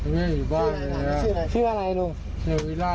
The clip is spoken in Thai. เมียลูกชายแจ้งตำรวจและกู้ภัย